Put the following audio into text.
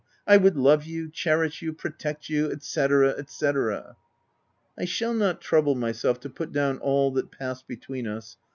I would love you, cherish you, protect you, &c. &c." I shall not trouble myself to put down all that passed between us.